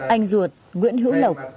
anh ruột nguyễn hữu lộc